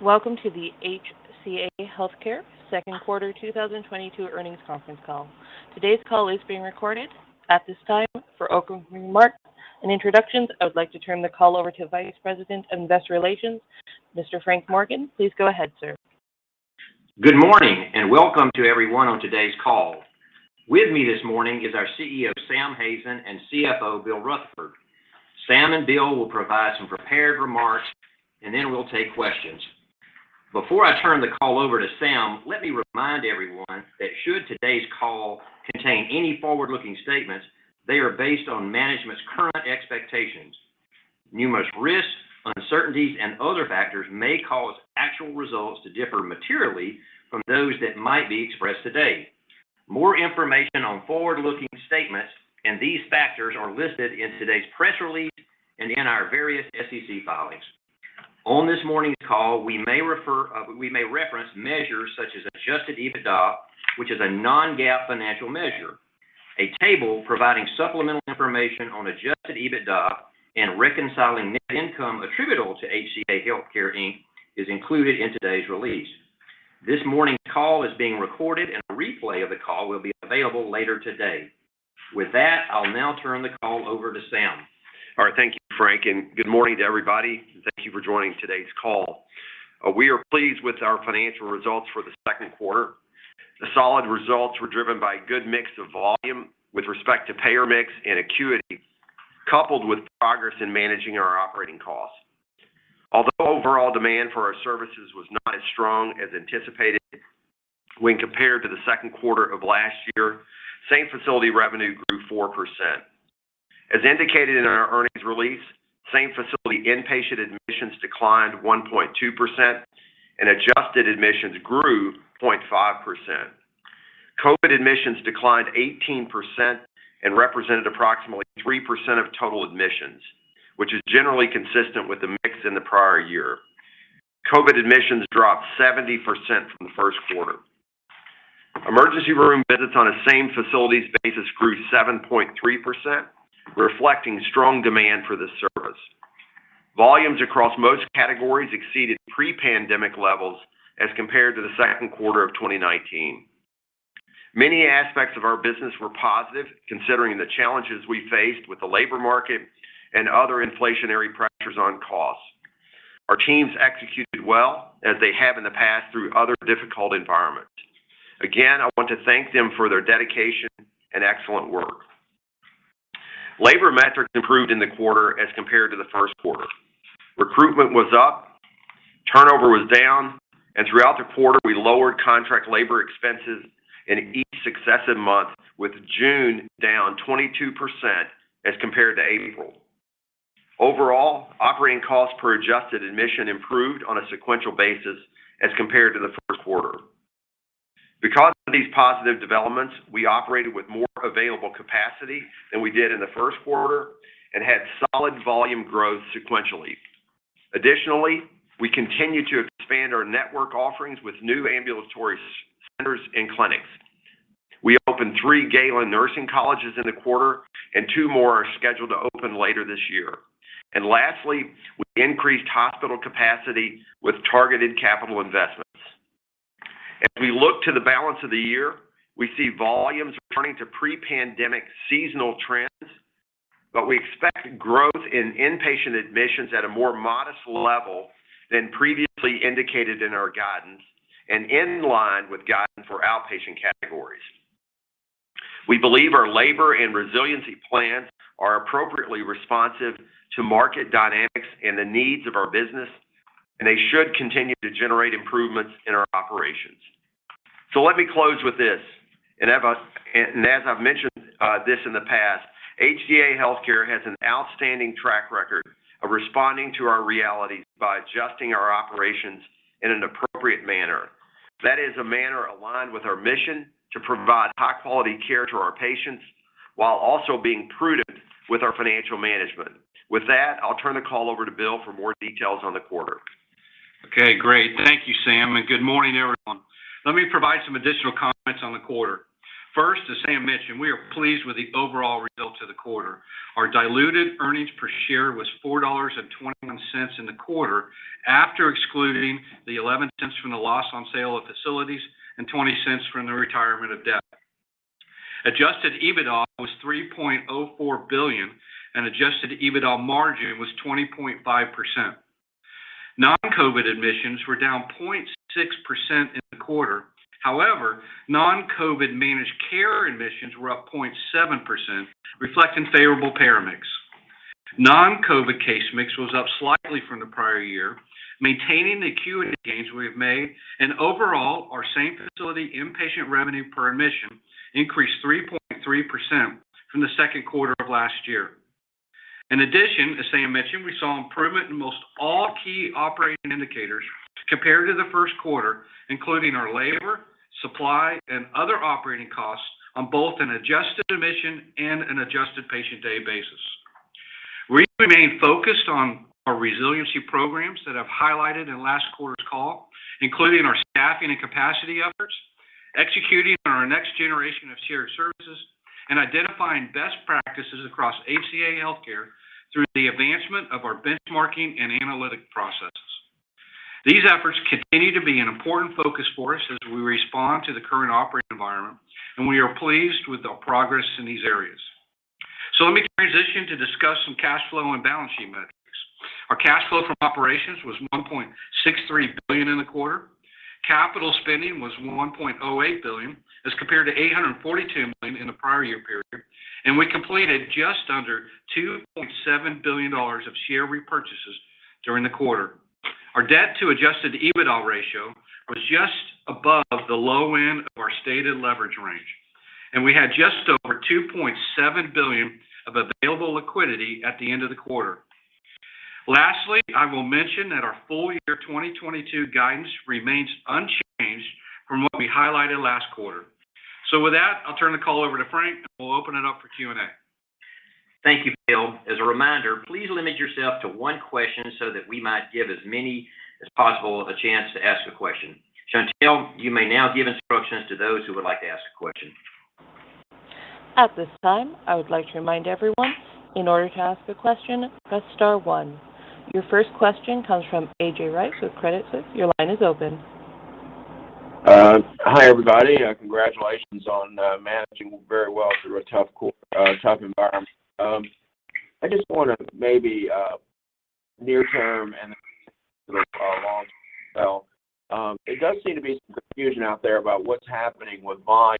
Welcome to the HCA Healthcare Q2 2022 earnings conference call. Today's call is being recorded. At this time, for opening remarks and introductions, I would like to turn the call over to Vice President of Investor Relations, Mr. Frank Morgan. Please go ahead, sir. Good morning, and welcome to everyone on today's call. With me this morning is our CEO, Sam Hazen, and CFO, Bill Rutherford. Sam and Bill will provide some prepared remarks, and then we'll take questions. Before I turn the call over to Sam, let me remind everyone that should today's call contain any forward-looking statements, they are based on management's current expectations. Numerous risks, uncertainties, and other factors may cause actual results to differ materially from those that might be expressed today. More information on forward-looking statements and these factors are listed in today's press release and in our various SEC filings. On this morning's call, we may refer, we may reference measures such as adjusted EBITDA, which is a non-GAAP financial measure. A table providing supplemental information on adjusted EBITDA and reconciling net income attributable to HCA Healthcare, Inc., is included in today's release. This morning's call is being recorded, and a replay of the call will be available later today. With that, I'll now turn the call over to Sam. All right. Thank you, Frank, and good morning to everybody. Thank you for joining today's call. We are pleased with our financial results for the Q2. The solid results were driven by a good mix of volume with respect to payer mix and acuity, coupled with progress in managing our operating costs. Although overall demand for our services was not as strong as anticipated when compared to the Q2 of last year, same-facility revenue grew 4%. As indicated in our earnings release, same-facility inpatient admissions declined 1.2%, and adjusted admissions grew 0.5%. COVID admissions declined 18% and represented approximately 3% of total admissions, which is generally consistent with the mix in the prior year. COVID admissions dropped 70% from the Q1. Emergency room visits on a same-facilities basis grew 7.3%, reflecting strong demand for this service. Volumes across most categories exceeded pre-pandemic levels as compared to the Q2 of 2019. Many aspects of our business were positive, considering the challenges we faced with the labor market and other inflationary pressures on costs. Our teams executed well, as they have in the past through other difficult environments. I want to thank them for their dedication and excellent work. Labor metrics improved in the quarter as compared to the Q1. Recruitment was up, turnover was down, and throughout the quarter, we lowered contract labor expenses in each successive month, with June down 22% as compared to April. Overall, operating costs per adjusted admission improved on a sequential basis as compared to the Q1. Because of these positive developments, we operated with more available capacity than we did in the Q1 and had solid volume growth sequentially. Additionally, we continued to expand our network offerings with new ambulatory centers and clinics. We opened three Galen College of Nursing in the quarter, and two more are scheduled to open later this year. Lastly, we increased hospital capacity with targeted capital investments. As we look to the balance of the year, we see volumes returning to pre-pandemic seasonal trends, but we expect growth in inpatient admissions at a more modest level than previously indicated in our guidance and in line with guidance for outpatient categories. We believe our labor and resiliency plans are appropriately responsive to market dynamics and the needs of our business, and they should continue to generate improvements in our operations. Let me close with this, as I've mentioned this in the past, HCA Healthcare has an outstanding track record of responding to our realities by adjusting our operations in an appropriate manner. That is a manner aligned with our mission to provide high-quality care to our patients while also being prudent with our financial management. With that, I'll turn the call over to Bill for more details on the quarter. Okay, great. Thank you, Sam, and good morning, everyone. Let me provide some additional comments on the quarter. First, as Sam mentioned, we are pleased with the overall results of the quarter. Our diluted earnings per share was $4.21 in the quarter after excluding the $0.11 from the loss on sale of facilities and $0.20 from the retirement of debt. Adjusted EBITDA was $3.04 billion, and adjusted EBITDA margin was 20.5%. Non-COVID admissions were down 0.6% in the quarter. However, non-COVID managed care admissions were up 0.7%, reflecting favorable payer mix. Non-COVID case mix was up slightly from the prior year, maintaining the acuity gains we have made. Overall, our same-facility inpatient revenue per admission increased 3.3% from the Q2 of last year. In addition, as Sam mentioned, we saw improvement in most all key operating indicators compared to the Q1, including our labor, supply, and other operating costs on both an adjusted admission and an adjusted patient day basis. We remain focused on our resiliency programs that I've highlighted in last quarter's Including our staffing and capacity efforts, executing on our next generation of shared services, and identifying best practices across HCA Healthcare through the advancement of our benchmarking and analytic processes. These efforts continue to be an important focus for us as we respond to the current operating environment, and we are pleased with the progress in these areas. Let me transition to discuss some cash flow and balance sheet metrics. Our cash flow from operations was $1.63 billion in the quarter. Capital spending was $1.08 billion as compared to $842 million in the prior year period, and we completed just under $2.7 billion of share repurchases during the quarter. Our debt to adjusted EBITDA ratio was just above the low end of our stated leverage range, and we had just over $2.7 billion of available liquidity at the end of the quarter. Lastly, I will mention that our full year 2022 guidance remains unchanged from what we highlighted last quarter. With that, I'll turn the call over to Frank, and we'll open it up for Q&A. Thank you, Bill. As a reminder, please limit yourself to one question so that we might give as many as possible a chance to ask a question. Chantelle, you may now give instructions to those who would like to ask a question. At this time, I would like to remind everyone, in order to ask a question, press star one. Your first question comes from A.J. Rice with Credit Suisse. Your line is open. Hi, everybody. Congratulations on managing very well through a tough quarter, tough environment. I just wonder maybe near term and long, so it does seem to be some confusion out there about what's happening with volumes,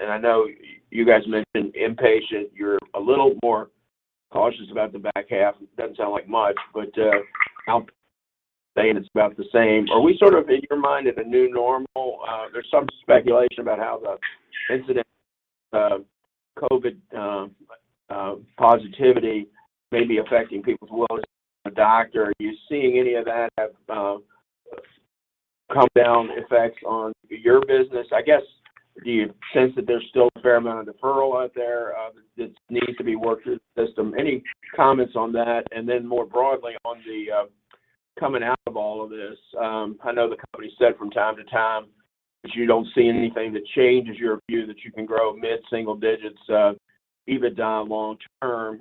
and I know you guys mentioned inpatient, you're a little more cautious about the back half. It doesn't sound like much, but saying it's about the same. Are we sort of, in your mind, in a new normal? There's some speculation about how the incidence of COVID positivity may be affecting people's will to go to the doctor. Are you seeing any of that having downstream effects on your business? I guess, do you sense that there's still a fair amount of deferral out there that needs to be worked through the system? Any comments on that? Then more broadly on the coming out of all of this, I know the company said from time to time that you don't see anything that changes your view that you can grow mid-single digits EBITDA long term,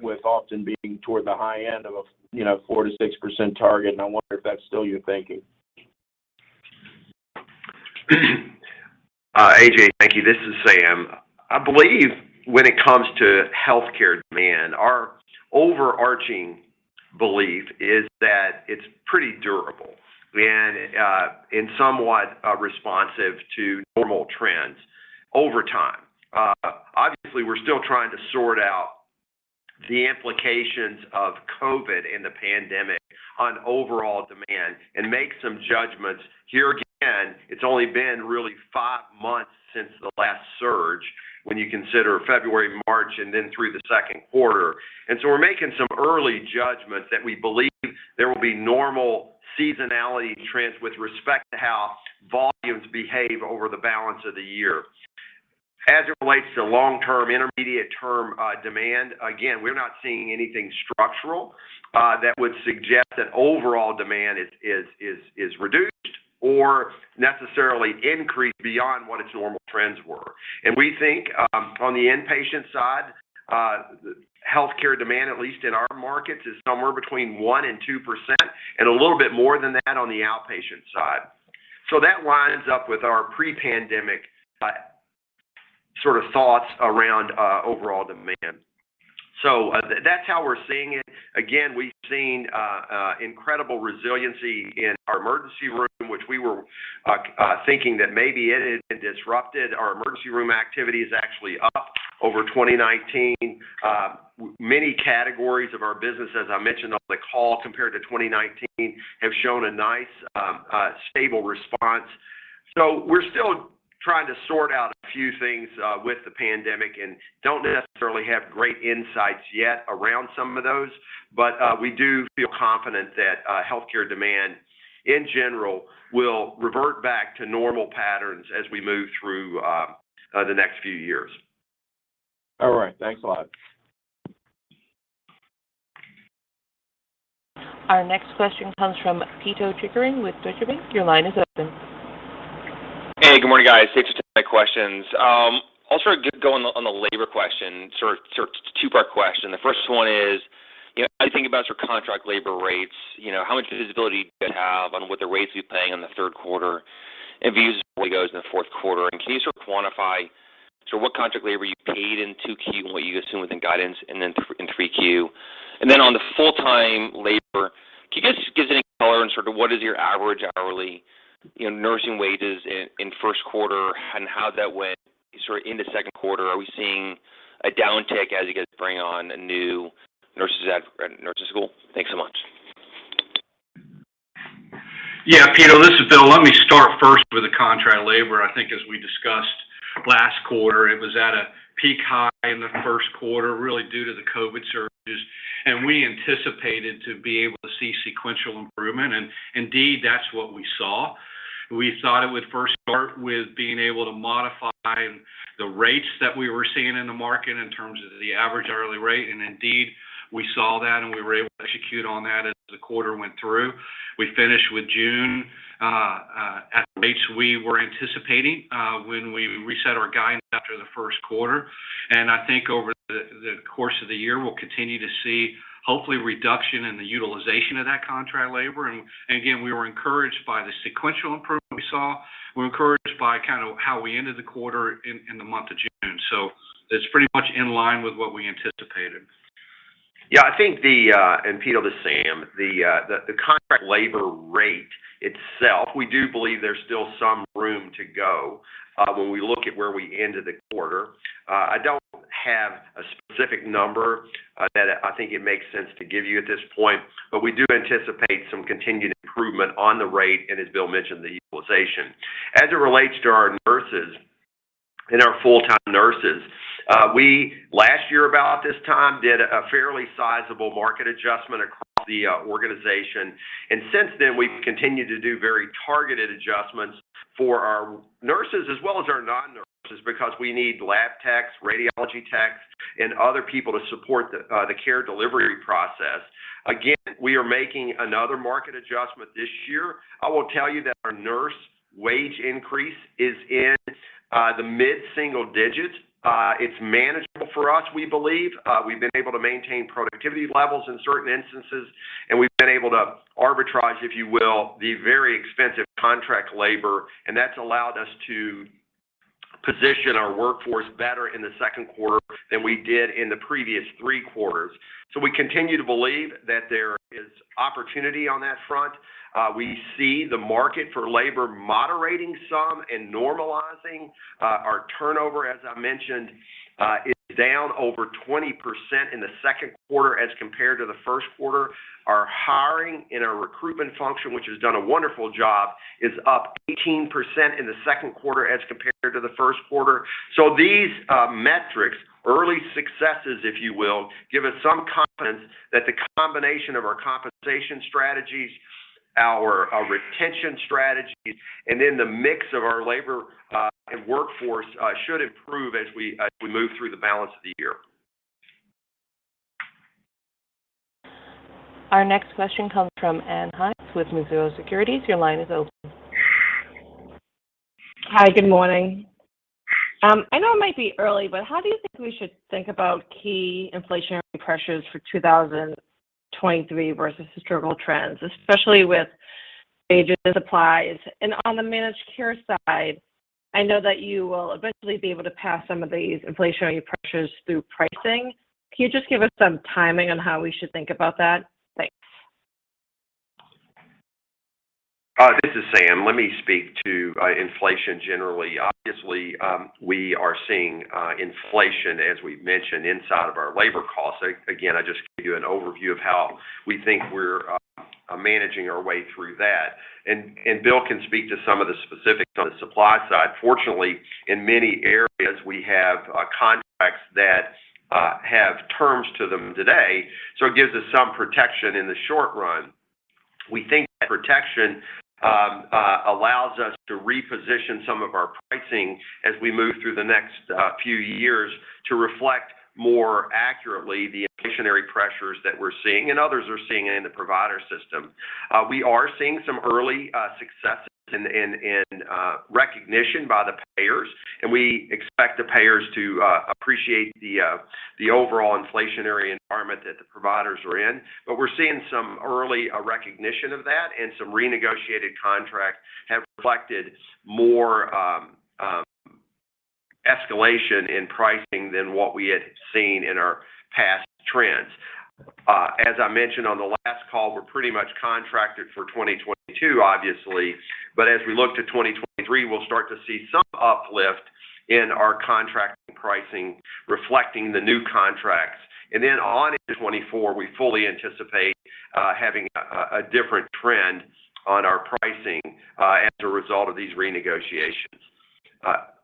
with often being toward the high end of a, you know, 4%-6% target. I wonder if that's still your thinking. A.J. Rice, thank you. This is Sam. I believe when it comes to healthcare demand, our overarching belief is that it's pretty durable and somewhat responsive to normal trends over time. Obviously, we're still trying to sort out the implications of COVID and the pandemic on overall demand and make some judgments. Here again, it's only been really five months since the last surge, when you consider February, March, and then through the Q2. We're making some early judgments that we believe there will be normal seasonality trends with respect to how volumes behave over the balance of the year. As it relates to long-term, intermediate-term demand, again, we're not seeing anything structural that would suggest that overall demand is reduced or necessarily increased beyond what its normal trends were. We think on the inpatient side, healthcare demand, at least in our markets, is somewhere between 1% and 2% and a little bit more than that on the outpatient side. That lines up with our pre-pandemic sort of thoughts around overall demand. That's how we're seeing it. Again, we've seen incredible resiliency in our emergency room, which we were thinking that maybe it had been disrupted. Our emergency room activity is actually up over 2019. Many categories of our business, as I mentioned on the call, compared to 2019 have shown a nice stable response. We're still trying to sort out a few things with the pandemic and don't necessarily have great insights yet around some of those. We do feel confident that healthcare demand in general will revert back to normal patterns as we move through the next few years. All right. Thanks a lot. Our next question comes from Pito Chickering with Deutsche Bank. Your line is open. Hey, good morning, guys. Thanks for taking my questions. I'll start on the labor question, sort of two-part question. The first one is, you know, how you think about your contract labor rates? You know, how much visibility do you have on what the rates you're paying in the Q3 and views as it goes in the Q4? And can you sort of quantify sort of what contract labor you paid in 2Q and what you assume within guidance and then in 3Q? And then on the full-time labor, can you guys give us any color on sort of what is your average hourly, you know, nursing wages in Q1 and how that went sort of in the Q2? Are we seeing a downtick as you guys bring on new nurses at nursing school? Thanks so much. Yeah, Pito Chickering, this is Bill Rutherford. Let me start first with the contract labor. I think as we discussed last quarter, it was at a peak high in the Q1, really due to the COVID surges, and we anticipated to be able to see sequential improvement. Indeed, that's what we saw. We thought it would first start with being able to modify the rates that we were seeing in the market in terms of the average hourly rate. Indeed, we saw that, and we were able to execute on that as the quarter went through. We finished with June at rates we were anticipating when we reset our guidance after the Q1. I think over the course of the year, we'll continue to see hopefully reduction in the utilization of that contract labor. Again, we were encouraged by the sequential improvement we saw. We're encouraged by kind of how we ended the quarter in the month of June. It's pretty much in line with what we anticipated. Yeah. I think, and Peter, this is Sam. The contract labor rate itself, we do believe there's still some room to go when we look at where we ended the quarter. I don't have a specific number that I think it makes sense to give you at this point, but we do anticipate some continued improvement on the rate, and as Bill mentioned, the utilization. As it relates to our nurses and our full-time nurses, we last year about this time did a fairly sizable market adjustment across the organization. Since then, we've continued to do very targeted adjustments for our nurses as well as our non-nurses because we need lab techs, radiology techs, and other people to support the care delivery process. Again, we are making another market adjustment this year. I will tell you that our nurse wage increase is in the mid-single digits. It's manageable for us, we believe. We've been able to maintain productivity levels in certain instances, and we've been able to arbitrage, if you will, the very expensive contract labor, and that's allowed us to position our workforce better in the Q2 than we did in the previous three quarters. We continue to believe that there is opportunity on that front. We see the market for labor moderating some and normalizing. Our turnover, as I mentioned, is down over 20% in the Q2 as compared to the Q1. Our hiring and our recruitment function, which has done a wonderful job, is up 18% in the Q2 as compared to the Q1. These metrics, early successes if you will, give us some confidence that the combination of our compensation strategies, our retention strategies, and then the mix of our labor and workforce should improve as we move through the balance of the year. Our next question comes from Ann Hynes with Mizuho Securities. Your line is open. Hi. Good morning. I know it might be early, but how do you think we should think about key inflationary pressures for 2023 versus historical trends, especially with wages, supplies? On the managed care side, I know that you will eventually be able to pass some of these inflationary pressures through pricing. Can you just give us some timing on how we should think about that? Thanks. This is Sam. Let me speak to inflation generally. Obviously, we are seeing inflation, as we've mentioned, inside of our labor costs. Again, I just gave you an overview of how we think we're managing our way through that. Bill can speak to some of the specifics on the supply side. Fortunately, in many areas, we have contracts that have terms to them today, so it gives us some protection in the short run. We think that protection allows us to reposition some of our pricing as we move through the next few years to reflect more accurately the inflationary pressures that we're seeing and others are seeing in the provider system. We are seeing some early successes in recognition by the payers, and we expect the payers to appreciate the overall inflationary environment that the providers are in. We're seeing some early recognition of that and some renegotiated contracts have reflected more escalation in pricing than what we had seen in our past trends. As I mentioned on the last call, we're pretty much contracted for 2022, obviously. As we look to 2023, we'll start to see some uplift in our contracting pricing reflecting the new contracts. On into 2024, we fully anticipate having a different trend on our pricing as a result of these renegotiations.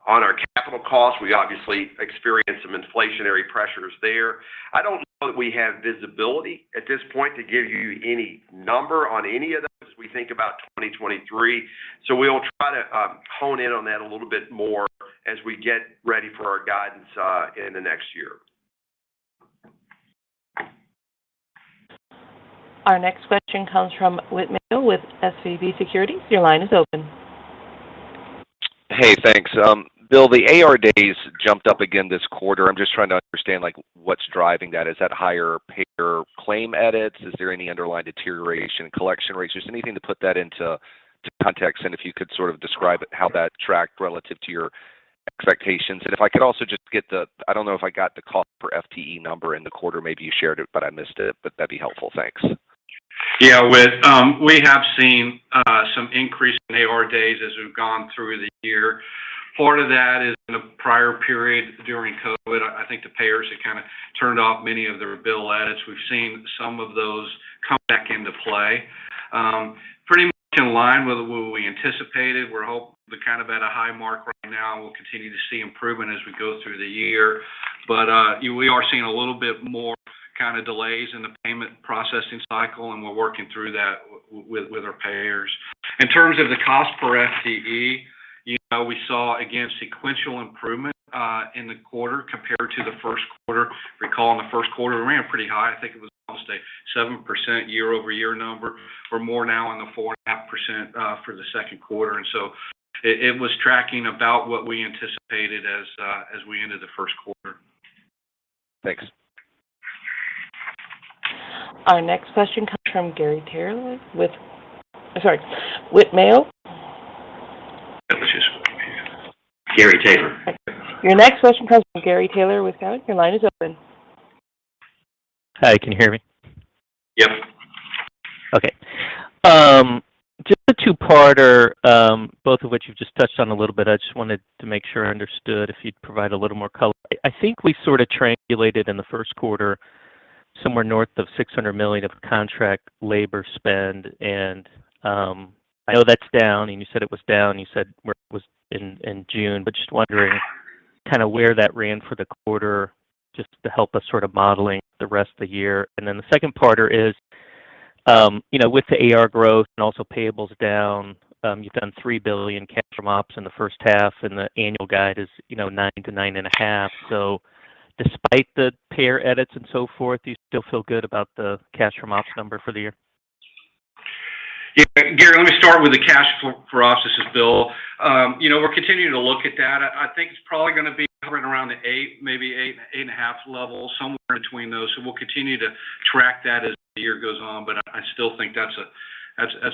On our capital costs, we obviously experienced some inflationary pressures there. I don't know that we have visibility at this point to give you any number on any of those as we think about 2023, so we will try to hone in on that a little bit more as we get ready for our guidance in the next year. Our next question comes from Whitman Mayo with SVB Securities. Your line is open. Hey, thanks. Bill, the AR days jumped up again this quarter. I'm just trying to understand, like, what's driving that. Is that higher payer claim edits? Is there any underlying deterioration in collection rates? Just anything to put that into context, and if you could sort of describe how that tracked relative to your expectations. If I could also just get the cost per FTE number in the quarter. I don't know if I got the cost per FTE number in the quarter. Maybe you shared it, but I missed it, but that'd be helpful. Thanks. Yeah. Whit, we have seen some increase in AR days as we've gone through the year. Part of that is in the prior period during COVID. I think the payers had kinda turned off many of their bill edits. We've seen some of those come back into play. Pretty much in line with what we anticipated. We're kind of at a high mark right now, and we'll continue to see improvement as we go through the year. We are seeing a little bit more. Kind of delays in the payment processing cycle, and we're working through that with our payers. In terms of the cost per FTE, you know, we saw, again, sequential improvement in the quarter compared to the Q1. If you recall, in the Q1, it ran pretty high. I think it was almost a 7% year-over-year number. We're more now in the 4.5% for the Q2. It was tracking about what we anticipated as we ended the Q1. Thanks. Our next question comes from Gary Taylor with, I'm sorry, Whit Mayo. Gary Taylor. Your next question comes from Gary Taylor with Cowen. Your line is open. Hi, can you hear me? Yep. Okay. Just a two-parter, both of which you've just touched on a little bit. I just wanted to make sure I understood if you'd provide a little more color. I think we sort of triangulated in the Q1 somewhere north of $600 million of contract labor spend, and I know that's down, and you said it was down. You said where it was in June, but just wondering kind of where that ran for the quarter just to help us sort of modeling the rest of the year. The second parter is, you know, with the AR growth and also payables down, you've done $3 billion cash from ops in the H1, and the annual guide is, you know, $9 billion-$9.5 billion. Despite the payer edits and so forth, do you still feel good about the cash from ops number for the year? Yeah. Gary, let me start with the cash flow for ops. This is Bill. You know, we're continuing to look at that. I think it's probably gonna be hovering around the $8-$8.5 level, somewhere in between those. We'll continue to track that as the year goes on, but I still think that's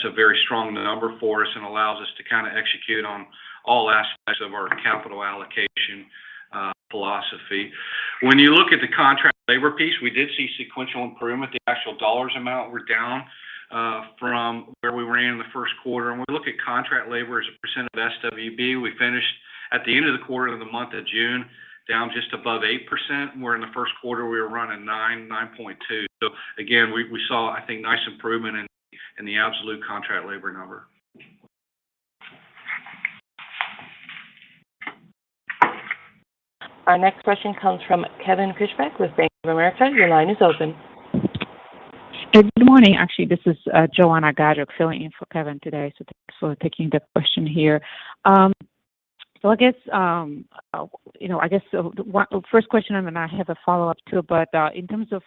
a very strong number for us and allows us to kinda execute on all aspects of our capital allocation philosophy. When you look at the contract labor piece, we did see sequential improvement. The actual dollar amount was down from where we were in the Q1. When we look at contract labor as a percent of SWB, we finished at the end of the quarter, the month of June, down just above 8%, where in the Q1 we were running 9.2. Again, we saw, I think, nice improvement in the absolute contract labor number. Our next question comes from Kevin Fischbeck with Bank of America. Your line is open. Good morning. Actually, this is Joanna Gajuk filling in for Kevin today, so thanks for taking the question here. I guess, you know, I guess, the first question, and then I have a follow-up, too, but in terms of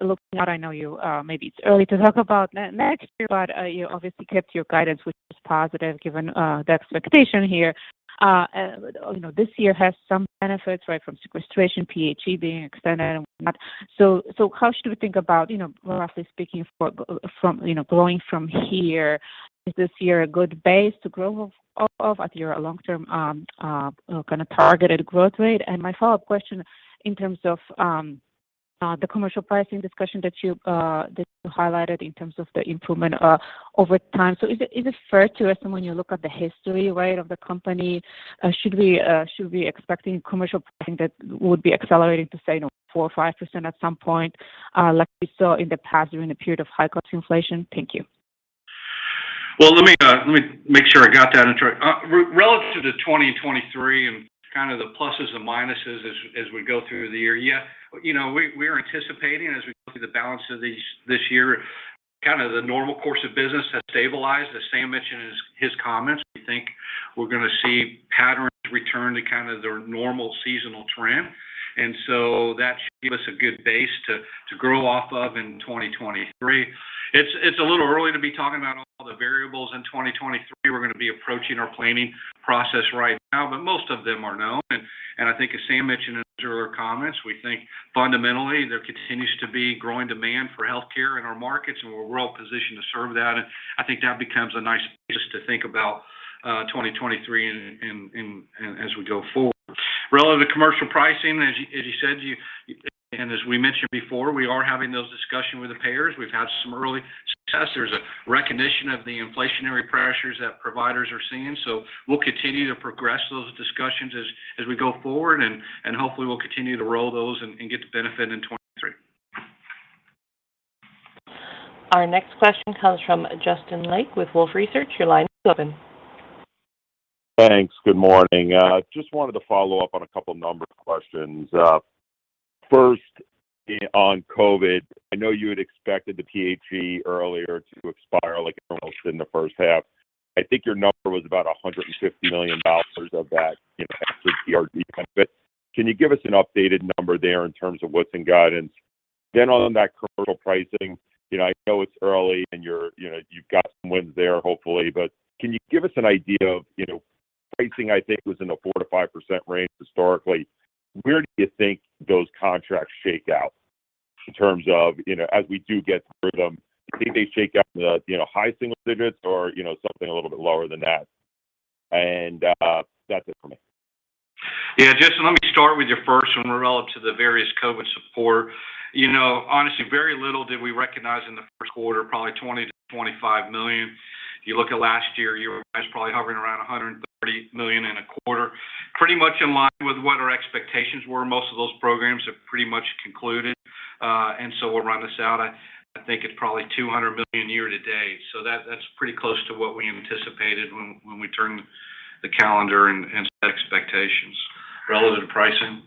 looking out, I know you maybe it's early to talk about next year, but you obviously kept your guidance, which is positive given the expectation here. You know, this year has some benefits, right, from sequestration, PHE being extended and whatnot. How should we think about, you know, roughly speaking, from growing from here, is this year a good base to grow off of at your long-term kind of targeted growth rate? My follow-up question in terms of the commercial pricing discussion that you highlighted in terms of the improvement over time. Is it fair to assume when you look at the history, right, of the company, should we be expecting commercial pricing that would be accelerating to, say, you know, 4% or 5% at some point, like we saw in the past during the period of high cost inflation? Thank you. Well, let me make sure I got that intro relative to the trends in 2023 and kind of the pluses and minuses as we go through the year. Yeah. You know, we're anticipating as we go through the balance of this year, kind of the normal course of business has stabilized. As Sam mentioned in his comments, we think we're gonna see patterns return to kind of their normal seasonal trend. That should give us a good base to grow off of in 2023. It's a little early to be talking about all the variables in 2023. We're gonna be approaching our planning process right now, but most of them are known. I think as Sam mentioned in his earlier comments, we think fundamentally there continues to be growing demand for healthcare in our markets, and we're well positioned to serve that. I think that becomes a nice base to think about, 2023 and as we go forward. Relative to commercial pricing, as you said, and as we mentioned before, we are having those discussions with the payers. We've had some early success. There's a recognition of the inflationary pressures that providers are seeing. We'll continue to progress those discussions as we go forward, and hopefully we'll continue to roll those and get the benefit in 2023. Our next question comes from Justin Lake with Wolfe Research. Your line is open. Thanks. Good morning. Just wanted to follow up on a couple number questions. First on COVID. I know you had expected the PHE earlier to expire, like, almost in the H1. I think your number was about $150 million of that, you know, extra CARES benefit. Can you give us an updated number there in terms of what's in guidance? On that commercial pricing, you know, I know it's early and you're, you know, you've got some wins there, hopefully. Can you give us an idea of, you know, pricing, I think, was in the 4%-5% range historically. Where do you think those contracts shake out in terms of, you know, as we do get through them, do you think they shake out in the, you know, high single digits or, you know, something a little bit lower than that? That's it for me. Yeah. Justin, let me start with your first one relative to the various COVID support. You know, honestly, very little did we recognize in the Q1, probably $20-$25 million. If you look at last year, you guys probably hovering around $130 million in a quarter. Pretty much in line with what our expectations were. Most of those programs have pretty much concluded. And so we'll run this out. I think it's probably $200 million year to date, so that's pretty close to what we anticipated when we turned the calendar and expectations. Relative to pricing?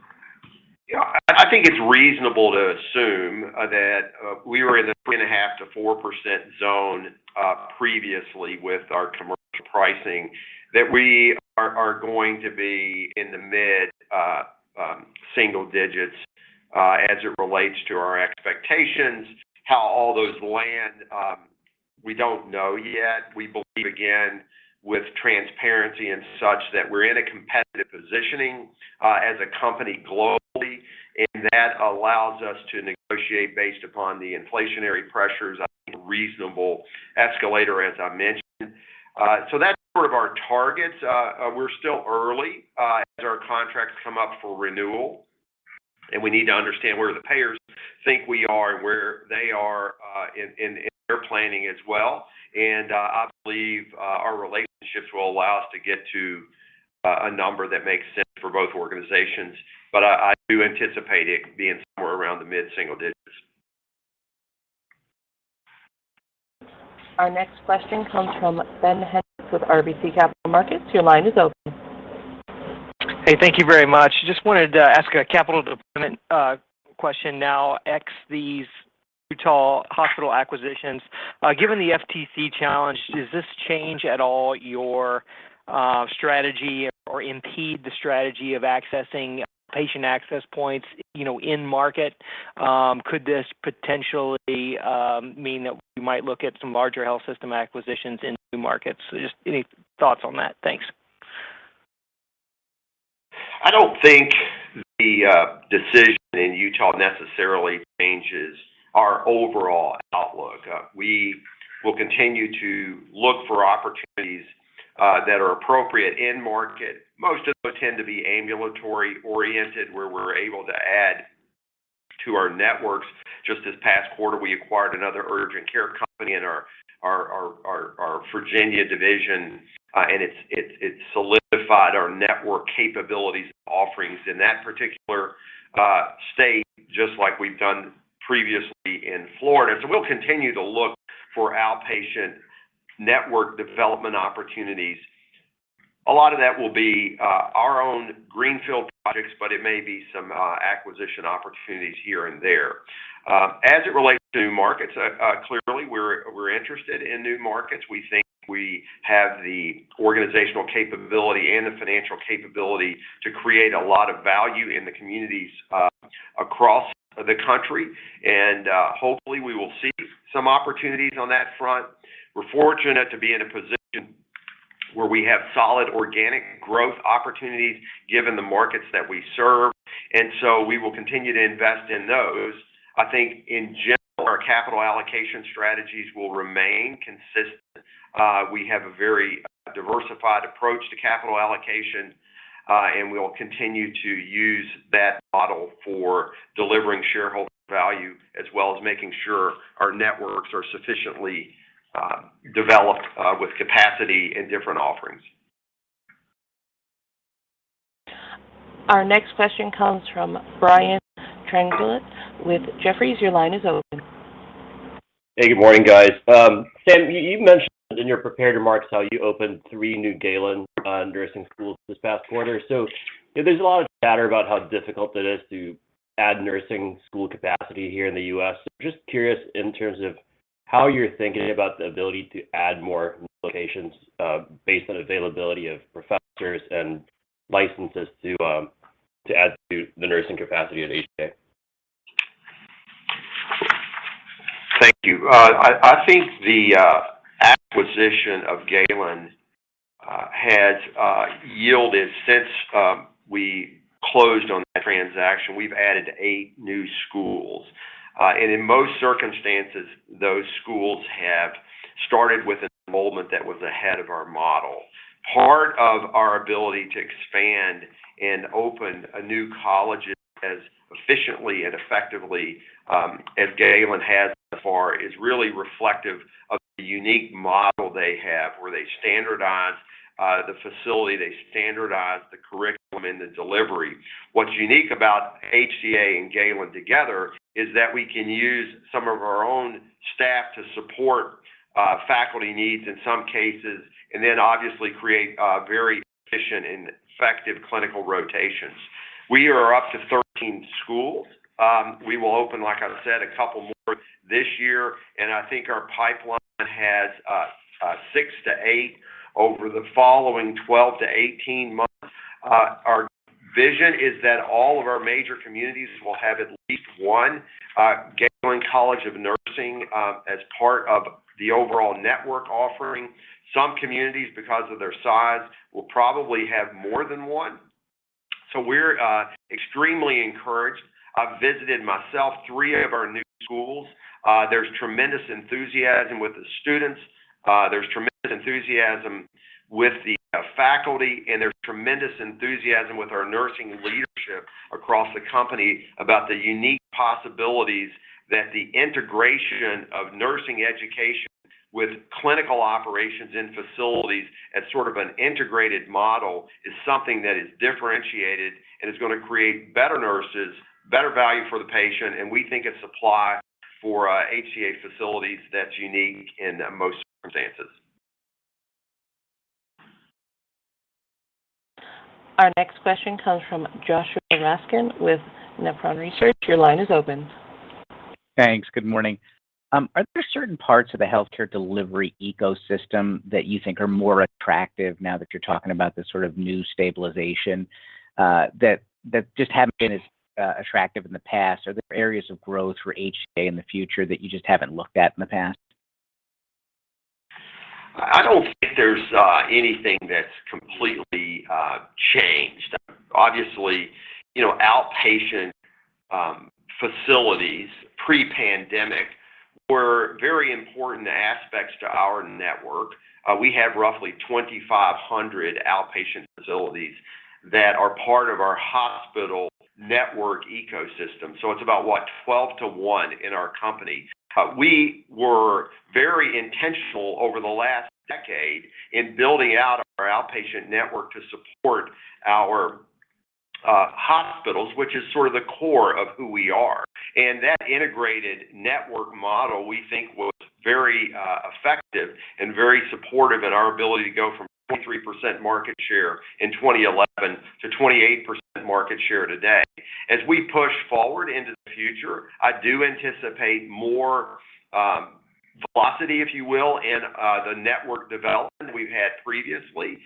Yeah, I think it's reasonable to assume that we were in a 3.5%-4% zone previously with our commercial pricing, that we are going to be in the mid single digits as it relates to our expectations. How all those land, we don't know yet. We believe, again, with transparency and such, that we're in a competitive positioning as a company globally, and that allows us to negotiate based upon the inflationary pressures on a reasonable escalator, as I mentioned. So that's sort of our targets. We're still early as our contracts come up for renewal, and we need to understand where the payers think we are and where they are in their planning as well. I believe our relationships will allow us to get to a number that makes sense for both organizations. I do anticipate it being somewhere around the mid-single digits. Our next question comes from Ben Hendrix with RBC Capital Markets. Your line is open. Hey, thank you very much. Just wanted to ask a capital deployment question now on these Utah hospital acquisitions. Given the FTC challenge, does this change at all your strategy or impede the strategy of accessing patient access points, you know, in market? Could this potentially mean that we might look at some larger health system acquisitions in new markets? Just any thoughts on that? Thanks. I don't think the decision in Utah necessarily changes our overall outlook. We will continue to look for opportunities that are appropriate in market. Most of those tend to be ambulatory-oriented, where we're able to add to our networks. Just this past quarter, we acquired another urgent care company in our Virginia division, and it solidified our network capabilities offerings in that particular state, just like we've done previously in Florida. We'll continue to look for outpatient network development opportunities. A lot of that will be our own greenfield projects, but it may be some acquisition opportunities here and there. As it relates to new markets, clearly we're interested in new markets. We think we have the organizational capability and the financial capability to create a lot of value in the communities, across the country. Hopefully, we will see some opportunities on that front. We're fortunate to be in a position where we have solid organic growth opportunities, given the markets that we serve. We will continue to invest in those. I think in general, our capital allocation strategies will remain consistent. We have a very diversified approach to capital allocation, and we will continue to use that model for delivering shareholder value as well as making sure our networks are sufficiently, developed, with capacity and different offerings. Our next question comes from Brian Tanquilut with Jefferies. Your line is open. Hey, good morning, guys. Sam, you mentioned in your prepared remarks how you opened three new Galen nursing schools this past quarter. There's a lot of chatter about how difficult it is to add nursing school capacity here in the U.S. Just curious in terms of how you're thinking about the ability to add more locations based on availability of professors and licenses to add to the nursing capacity at HCA. Thank you. I think the acquisition of Galen has yielded since we closed on the transaction. We've added eight new schools. In most circumstances, those schools have started with enrollment that was ahead of our model. Part of our ability to expand and open a new college as efficiently and effectively as Galen has so far is really reflective of the unique model they have, where they standardize the facility, they standardize the curriculum and the delivery. What's unique about HCA and Galen together is that we can use some of our own staff to support faculty needs in some cases, and then obviously create very efficient and effective clinical rotations. We are up to thirteen schools. We will open, like I said, a couple more this year, and I think our pipeline has six-eight over the following 12-18 months. Our vision is that all of our major communities will have at least one Galen College of Nursing as part of the overall network offering. Some communities, because of their size, will probably have more than one. We're extremely encouraged. I've visited myself three of our new schools. There's tremendous enthusiasm with the students, there's tremendous enthusiasm with the faculty, and there's tremendous enthusiasm with our nursing leadership across the company about the unique possibilities that the integration of nursing education with clinical operations in facilities as sort of an integrated model is something that is differentiated and is gonna create better nurses, better value for the patient, and we think it supplies for HCA facilities, that's unique in most circumstances. Our next question comes from Joshua Raskin with Nephron Research. Your line is open. Thanks. Good morning. Are there certain parts of the healthcare delivery ecosystem that you think are more attractive now that you're talking about this sort of new stabilization, that just haven't been as attractive in the past? Are there areas of growth for HCA in the future that you just haven't looked at in the past? I don't think there's anything that's completely changed. Obviously, you know, outpatient facilities pre-pandemic were very important aspects to our network. We have roughly 2,500 outpatient facilities that are part of our hospital network ecosystem. It's about, what, 12-to-one in our company. We were very intentional over the last decade in building out our outpatient network to support our hospitals, which is sort of the core of who we are. That integrated network model, we think, was very effective and very supportive in our ability to go from 23% market share in 2011 to 28% market share today. As we push forward into the future, I do anticipate more velocity, if you will, in the network development we've had previously.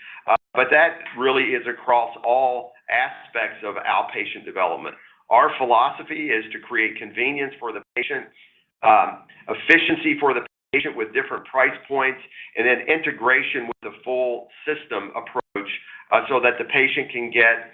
That really is across all aspects of outpatient development. Our philosophy is to create convenience for the patient, efficiency for the patient with different price points, and then integration with a full system approach, so that the patient can get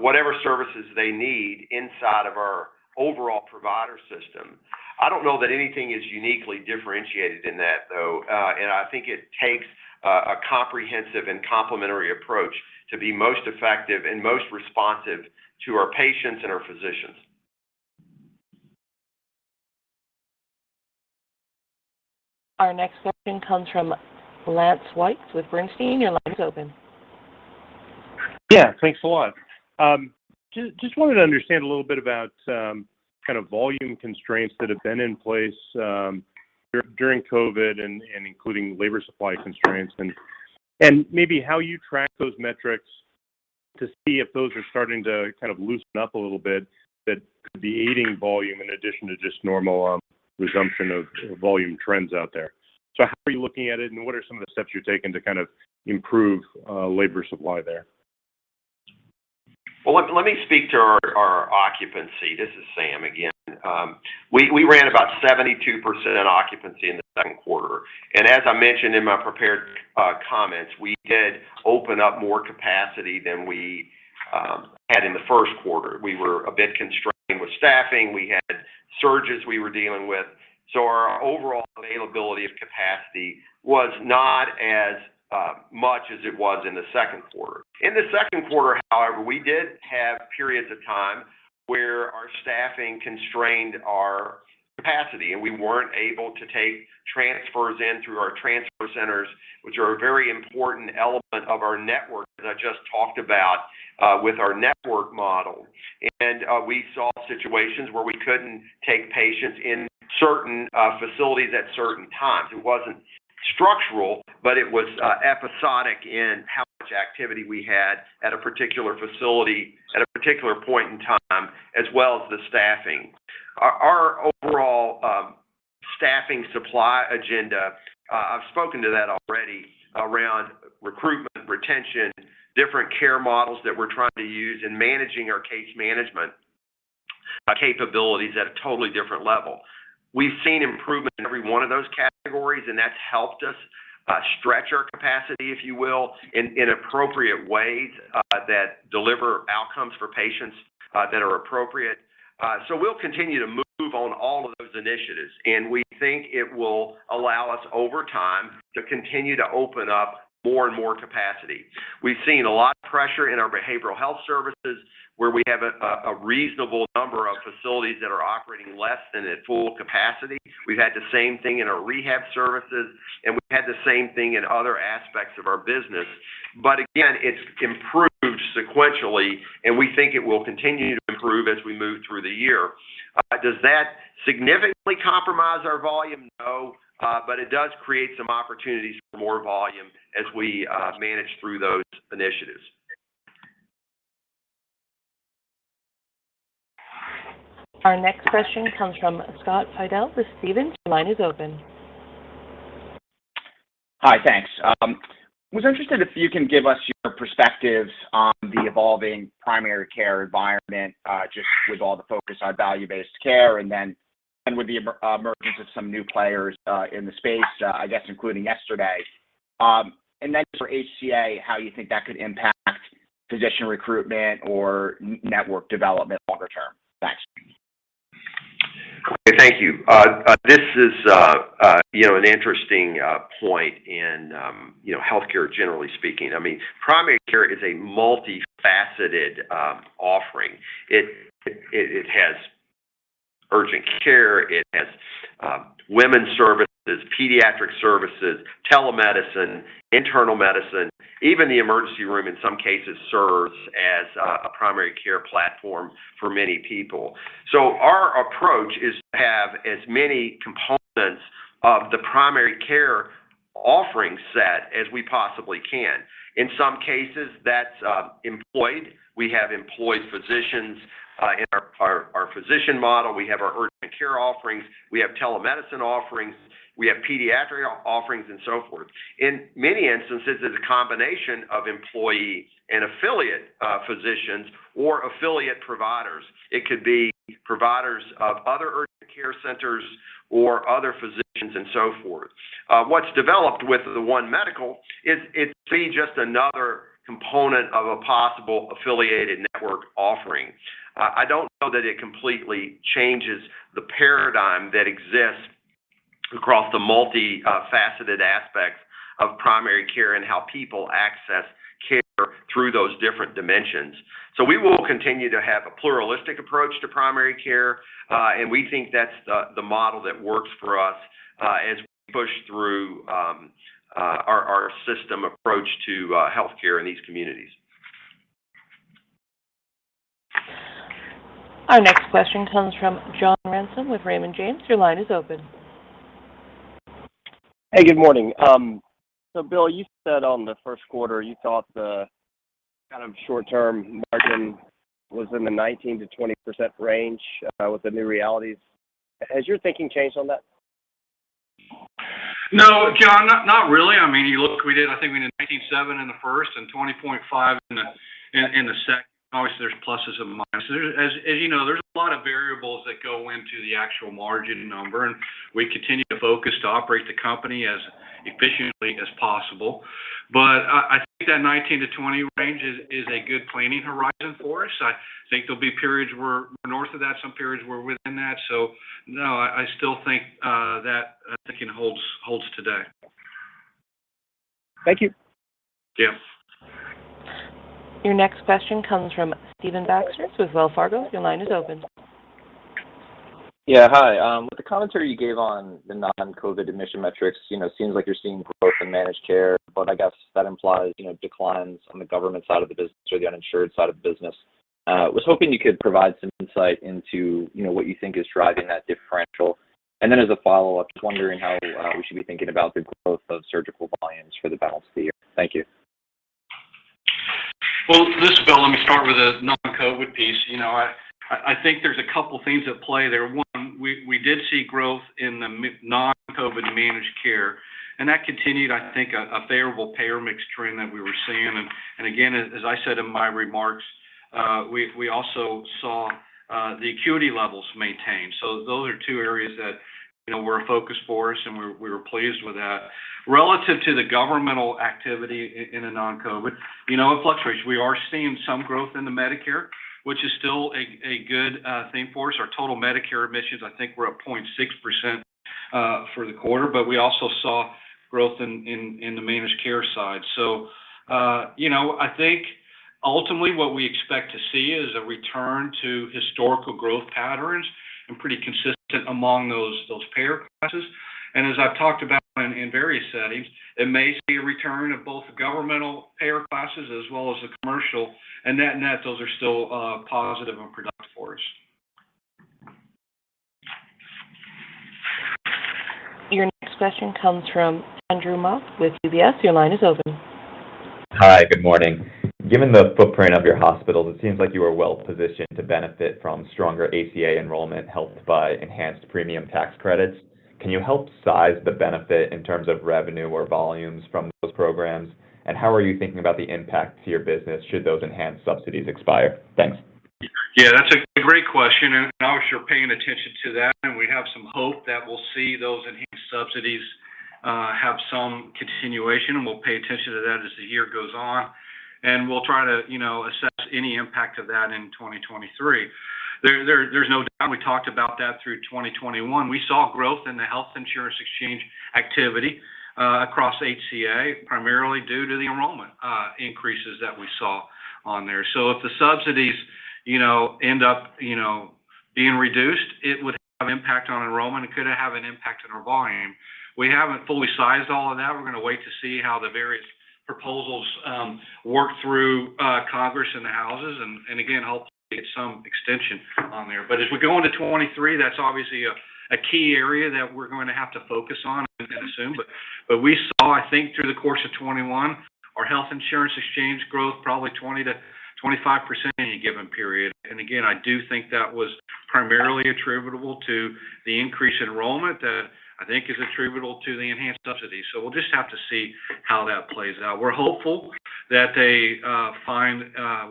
whatever services they need inside of our overall provider system. I don't know that anything is uniquely differentiated in that, though, and I think it takes a comprehensive and complementary approach to be most effective and most responsive to our patients and our physicians. Our next question comes from Lance Wilkes with Bernstein. Your line is open. Yeah. Thanks a lot. Just wanted to understand a little bit about kind of volume constraints that have been in place during COVID and including labor supply constraints, and maybe how you track those metrics to see if those are starting to kind of loosen up a little bit that could be aiding volume in addition to just normal resumption of volume trends out there. How are you looking at it, and what are some of the steps you're taking to kind of improve labor supply there? Well, let me speak to our occupancy. This is Sam again. We ran about 72% occupancy in the Q2. As I mentioned in my prepared comments, we did open up more capacity than we had in the Q1. We were a bit constrained with staffing. We had surges we were dealing with, so our overall availability of capacity was not as much as it was in the Q2. In the Q2, however, we did have periods of time where our staffing constrained our capacity, and we weren't able to take transfers in through our transfer centers, which are a very important element of our network that I just talked about with our network model. We saw situations where we couldn't take patients in certain facilities at certain times. It wasn't structural, but it was episodic in how much activity we had at a particular facility at a particular point in time, as well as the staffing. Our overall staffing supply agenda, I've spoken to that already around recruitment, retention, different care models that we're trying to use, and managing our case management capabilities at a totally different level. We've seen improvement in every one of those categories, and that's helped us stretch our capacity, if you will, in appropriate ways that deliver outcomes for patients that are appropriate. We'll continue to move on all of those initiatives, and we think it will allow us over time to continue to open up more and more capacity. We've seen a lot of pressure in our behavioral health services, where we have a reasonable number of facilities that are operating less than at full capacity. We've had the same thing in our rehab services, and we've had the same thing in other aspects of our business. Again, it's improved sequentially, and we think it will continue to improve as we move through the year. Does that significantly compromise our volume? No. It does create some opportunities for more volume as we manage through those initiatives. Our next question comes from Scott Fidel with Stephens. Your line is open. Hi. Thanks. I was interested if you can give us your perspectives on the evolving primary care environment, just with all the focus on value-based care and then, and with the emergence of some new players in the space, I guess including yesterday. For HCA, how you think that could impact physician recruitment or network development longer term. Thanks. Thank you. This is, you know, an interesting point in, you know, healthcare generally speaking. I mean, primary care is a multifaceted offering. It has urgent care, it has Women's services, pediatric services, telemedicine, internal medicine, even the emergency room, in some cases, serves as a primary care platform for many people. Our approach is to have as many components of the primary care offering set as we possibly can. In some cases, that's employed. We have employed physicians in our physician model. We have our urgent care offerings. We have telemedicine offerings. We have pediatric offerings and so forth. In many instances, it's a combination of employee and affiliate physicians or affiliate providers. It could be providers of other urgent care centers or other physicians and so forth. What's developed with One Medical is it could be just another component of a possible affiliated network offering. I don't know that it completely changes the paradigm that exists across the multi-faceted aspects of primary care and how people access care through those different dimensions. We will continue to have a pluralistic approach to primary care, and we think that's the model that works for us, as we push through our system approach to healthcare in these communities. Our next question comes from John Ransom with Raymond James. Your line is open. Hey, good morning. Bill, you said on the Q1, you thought the kind of short term margin was in the 19%-20% range, with the new realities. Has your thinking changed on that? No, John, not really. I mean, you look. I think we did 19.7% in the first and 20.5% in the second. Obviously, there's pluses and minuses. As you know, there's a lot of variables that go into the actual margin number, and we continue to focus on operating the company as efficiently as possible. I think that 19%-20% range is a good planning horizon for us. I think there'll be periods we're north of that, some periods we're within that. No, I still think that thinking holds today. Thank you. Yeah. Your next question comes from Stephen Baxter with Wells Fargo. Your line is open. Yeah. Hi. With the commentary you gave on the non-COVID admission metrics, you know, seems like you're seeing growth in managed care, but I guess that implies, you know, declines on the government side of the business or the uninsured side of the business. Was hoping you could provide some insight into, you know, what you think is driving that differential. Then as a follow-up, just wondering how we should be thinking about the growth of surgical volumes for the balance of the year. Thank you. Well, this is Bill. Let me start with the non-COVID piece. You know, I think there's a couple things at play there. One, we did see growth in the non-COVID managed care, and that continued, I think, a favorable payer mix trend that we were seeing. Again, as I said in my remarks, we also saw the acuity levels maintained. Those are two areas that, you know, were a focus for us, and we were pleased with that. Relative to the governmental activity in the non-COVID, you know, it fluctuates. We are seeing some growth in the Medicare, which is still a good thing for us. Our total Medicare admissions, I think, were up 0.6% for the quarter, but we also saw growth in the managed care side. You know, I think ultimately what we expect to see is a return to historical growth patterns and pretty consistent among those payer classes. As I've talked about in various settings, it may see a return of both the governmental payer classes as well as the commercial. Net, those are still positive and productive for us. Your next question comes from Andrew Mok with UBS. Your line is open. Hi. Good morning. Given the footprint of your hospitals, it seems like you are well positioned to benefit from stronger ACA enrollment helped by enhanced premium tax credits. Can you help size the benefit in terms of revenue or volumes from those programs? How are you thinking about the impact to your business should those enhanced subsidies expire? Thanks. Yeah, that's a great question. Obviously, we're paying attention to that, and we have some hope that we'll see those enhanced subsidies have some continuation, and we'll pay attention to that as the year goes on. We'll try to, you know, assess any impact of that in 2023. There's no doubt we talked about that through 2021. We saw growth in the health insurance exchange activity across HCA, primarily due to the enrollment increases that we saw on there. If the subsidies, you know, end up, you know, being reduced, it would have impact on enrollment. It could have an impact on our volume. We haven't fully sized all of that. We're gonna wait to see how the various proposals work through Congress and the Houses and again, hopefully get some extension on there. As we go into 2023, that's obviously a key area that we're going to have to focus on I would assume. We saw, I think through the course of 2021, our health insurance exchange growth probably 20%-25% in any given period. And again, I do think that was primarily attributable to the increase in enrollment that I think is attributable to the enhanced subsidies. We'll just have to see how that plays out. We're hopeful that they find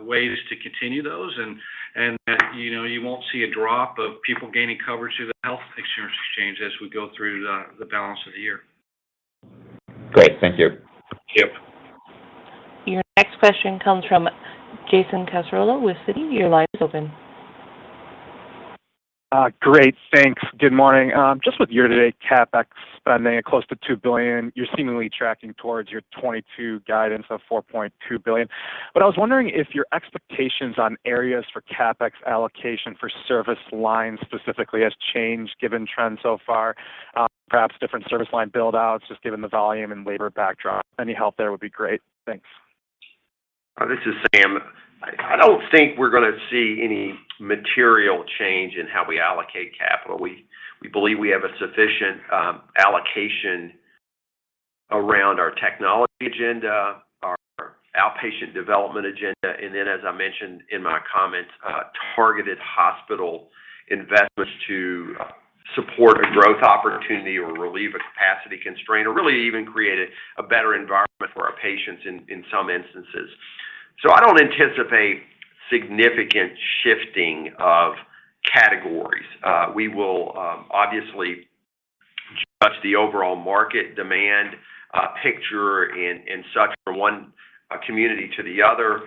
ways to continue those and that you know you won't see a drop of people gaining coverage through the health insurance exchange as we go through the balance of the year. Great. Thank you. Yep. Your next question comes from Jason Cassorla with Citi. Your line is open. Great. Thanks. Good morning. Just with year-to-date CapEx spending at close to $2 billion, you're seemingly tracking towards your 2022 guidance of $4.2 billion. I was wondering if your expectations on areas for CapEx allocation for service lines specifically has changed given trends so far, perhaps different service line build-outs, just given the volume and labor backdrop. Any help there would be great. Thanks. This is Sam. I don't think we're gonna see any material change in how we allocate capital. We believe we have a sufficient allocation around our technology agenda, our outpatient development agenda, and then as I mentioned in my comments, targeted hospital investments to support a growth opportunity or relieve a capacity constraint or really even create a better environment for our patients in some instances. I don't anticipate significant shifting of categories. We will obviously judge the overall market demand picture and such from one community to the other.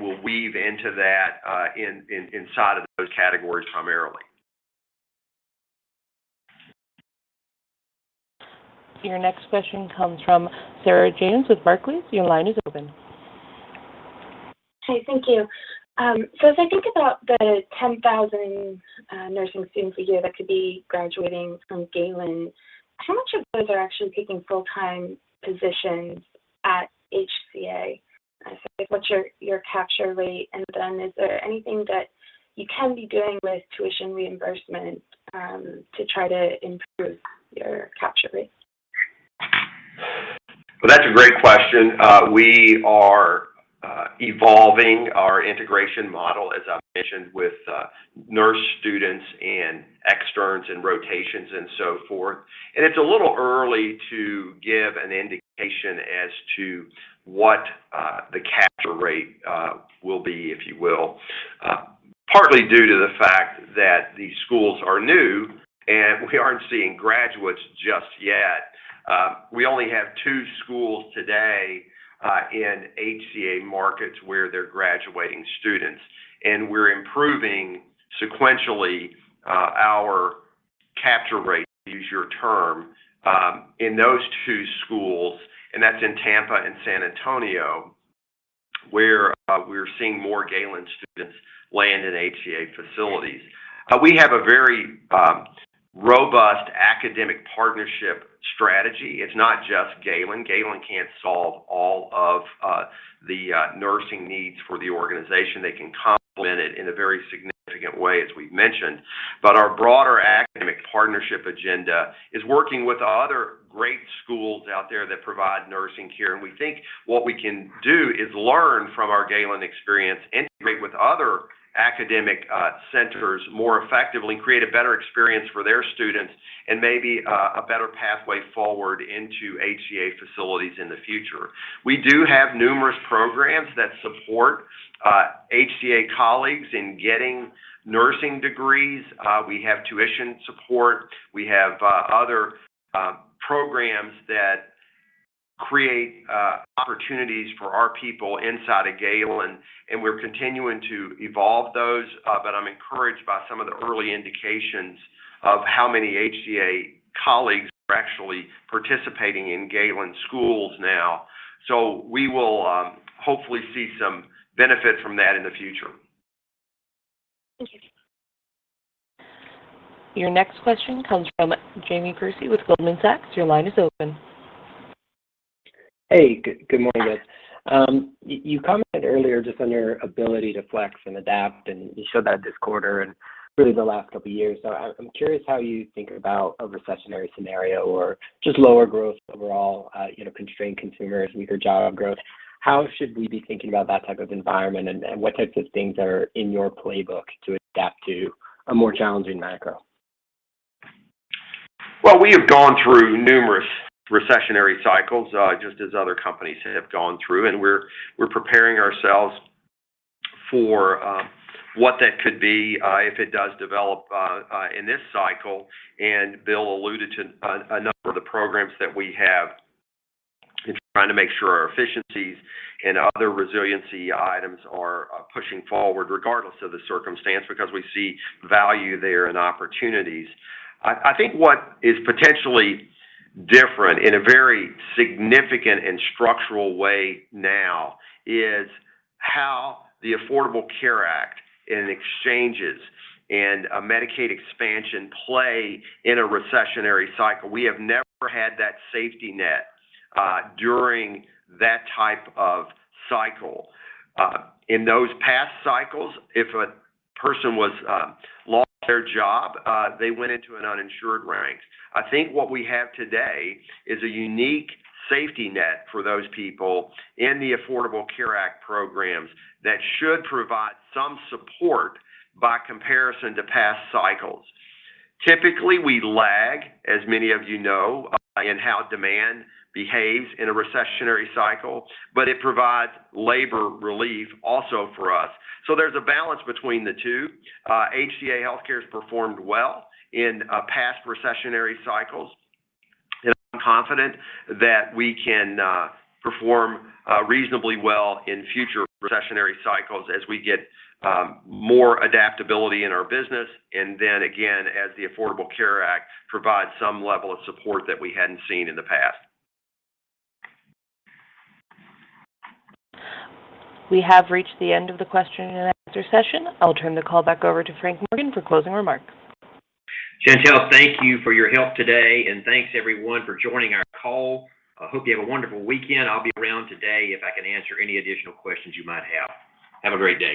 We'll weave into that inside of those categories primarily. Your next question comes from Sarah James with Barclays. Your line is open. Hey, thank you. As I think about the 10,000 nursing students a year that could be graduating from Galen, how much of those are actually taking full-time positions at HCA? I guess, what's your capture rate? Is there anything that you can be doing with tuition reimbursement to try to improve your capture rate? Well, that's a great question. We are evolving our integration model, as I mentioned, with nurse students and externs and rotations and so forth. It's a little early to give an indication as to what the capture rate will be, if you will. Partly due to the fact that the schools are new, and we aren't seeing graduates just yet. We only have two schools today in HCA markets where they're graduating students. We're improving sequentially our capture rate, to use your term, in those two schools, and that's in Tampa and San Antonio, where we're seeing more Galen students land in HCA facilities. We have a very robust academic partnership strategy. It's not just Galen. Galen can't solve all of the nursing needs for the organization. They can complement it in a very significant way, as we've mentioned. Our broader academic partnership agenda is working with other great schools out there that provide nursing care. We think what we can do is learn from our Galen experience, integrate with other academic centers more effectively, and create a better experience for their students and maybe a better pathway forward into HCA facilities in the future. We do have numerous programs that support HCA colleagues in getting nursing degrees. We have tuition support. We have other programs that create opportunities for our people inside of Galen, and we're continuing to evolve those. I'm encouraged by some of the early indications of how many HCA colleagues are actually participating in Galen schools now. We will hopefully see some benefit from that in the future. Thank you. Your next question comes from Jamie Perse with Goldman Sachs. Your line is open. Hey, good morning, guys. You commented earlier just on your ability to flex and adapt, and you showed that this quarter and really the last couple of years. I'm curious how you think about a recessionary scenario or just lower growth overall, you know, constrained consumers, weaker job growth. How should we be thinking about that type of environment and what types of things are in your playbook to adapt to a more challenging macro? Well, we have gone through numerous recessionary cycles, just as other companies have gone through, and we're preparing ourselves for what that could be in this cycle. Bill alluded to a number of the programs that we have in trying to make sure our efficiencies and other resiliency items are pushing forward regardless of the circumstance because we see value there and opportunities. I think what is potentially different in a very significant and structural way now is how the Affordable Care Act and exchanges and Medicaid expansion play in a recessionary cycle. We have never had that safety net during that type of cycle. In those past cycles, if a person lost their job, they went into an uninsured ranks. I think what we have today is a unique safety net for those people in the Affordable Care Act programs that should provide some support by comparison to past cycles. Typically, we lag, as many of you know, in how demand behaves in a recessionary cycle, but it provides labor relief also for us. There's a balance between the two. HCA Healthcare has performed well in past recessionary cycles, and I'm confident that we can perform reasonably well in future recessionary cycles as we get more adaptability in our business and then again, as the Affordable Care Act provides some level of support that we hadn't seen in the past. We have reached the end of the question and answer session. I'll turn the call back over to Frank Morgan for closing remarks. Chantelle, thank you for your help today, and thanks everyone for joining our call. I hope you have a wonderful weekend. I'll be around today if I can answer any additional questions you might have. Have a great day.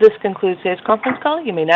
This concludes today's conference call. You may dis-